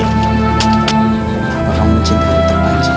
aku akan mencintaimu terlanjur